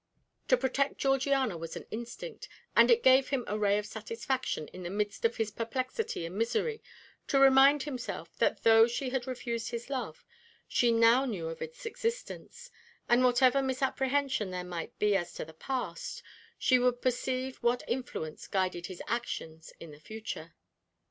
To protect Georgiana was an instinct, and it gave him a ray of satisfaction in the midst of his perplexity and misery to remind himself that though she had refused his love, she now knew of its existence, and whatever misapprehension there might be as to the past, she would perceive what influence guided his actions in the future.